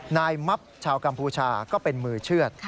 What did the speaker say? นายมับชาวกัมพูชาก็เป็นมือเชื่อด